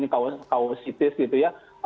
kalau kausitis gitu ya